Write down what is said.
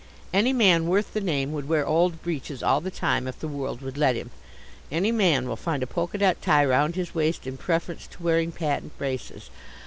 Any man worth the name would wear old breeches all the time if the world would let him. Any man will wind a polka dot tie round his waist in preference to wearing patent braces.